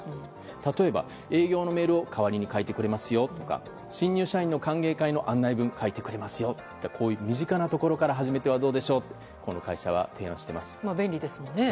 例えば、営業のメールを代わりに書いてくれますよとか新入社員の歓迎会の案内文を書いてくれますよとこういう身近なところから始めてはどうでしょうとまあ、便利ですよね。